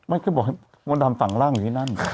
มันคือบอกว่ามันทำฝั่งล่างอยู่ที่นั่น